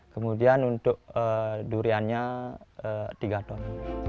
kemudian untuk duriannya tiga ton